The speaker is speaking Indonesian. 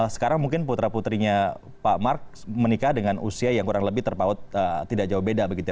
sekarang mungkin putra putrinya pak mark menikah dengan usia yang kurang lebih terpaut tidak jauh beda begitu ya